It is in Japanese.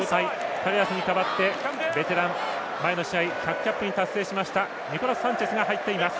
カレラスに代わってベテラン、前の試合１００キャップに達成しましたニコラス・サンチェスが入っています。